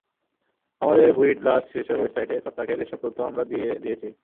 আমাদের wheat blast শীর্ষক ওয়েবসাইটে ছত্রাকের এসব তথ্য আমরা দিয়ে দিয়েছি।